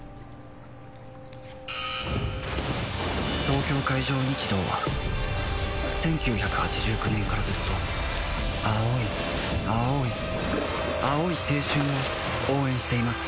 東京海上日動は１９８９年からずっと青い青い青い青春を応援しています